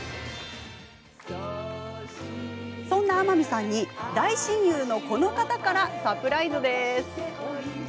そんな天海さんに大親友のこの方からサプライズです。